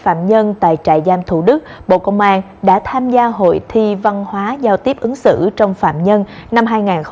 phạm nhân tại trại giam thủ đức bộ công an đã tham gia hội thi văn hóa giao tiếp ứng xử trong phạm nhân năm hai nghìn hai mươi ba